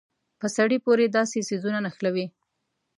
په سړي پورې داسې څيزونه نښلوي.